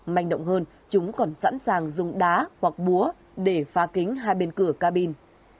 manh động hơn chúng còn sẵn sàng dùng đá hoặc búa để phá kính hai bên cửa cabin